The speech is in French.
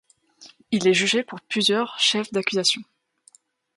Il est jugé pour plusieurs chefs d'accusation.